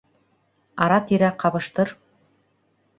Ара-тирә ҡабыштыр.